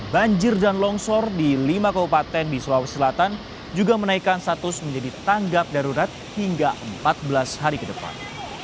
banjir dan longsor di lima kabupaten di sulawesi selatan juga menaikkan status menjadi tanggap darurat hingga empat belas hari ke depan